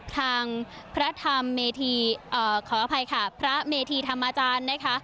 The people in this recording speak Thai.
พระธรรมเมธีขออภัยค่ะพระเมธีธรรมอาจารย์นะคะ